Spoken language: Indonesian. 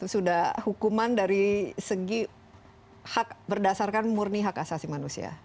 sudah hukuman dari segi hak berdasarkan murni hak asasi manusia